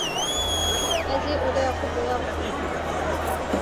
Ez ê odeya xwe boyax bikim.